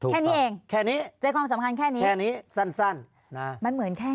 แค่นี้เองแค่นี้ใจความสำคัญแค่นี้แค่นี้สั้นสั้นนะมันเหมือนแค่